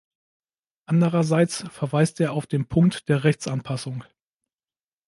Andererseits verweist er auf den Punkt der Rechtsanpassung.